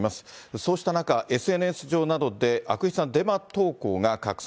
そうした中、ＳＮＳ上などで、悪質なデマ投稿が拡散。